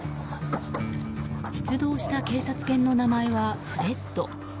出動した警察犬の名前はレッド。